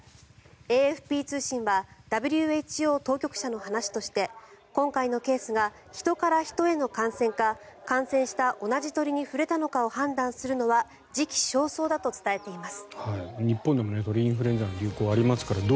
ＡＦＰ通信はＷＨＯ当局者の話として今回のケースが人から人への感染か感染した同じ鳥に触れたのかを判断するのは時期尚早だと伝えています。